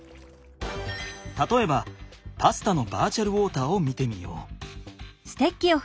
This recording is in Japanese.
たとえばパスタのバーチャルウォーターを見てみよう。